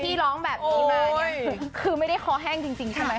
ที่ร้องแบบนี้มาเนี่ยคือไม่ได้คอแห้งจริงใช่ไหม